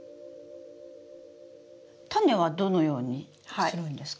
タネはどのようにするんですか？